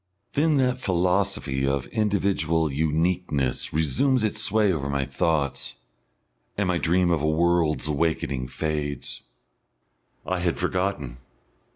Then that philosophy of individual uniqueness resumes its sway over my thoughts, and my dream of a world's awakening fades. I had forgotten....